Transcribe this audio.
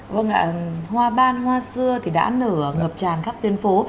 vâng ạ hoa ban hoa xưa thì đã nở ngập tràn khắp tuyên phố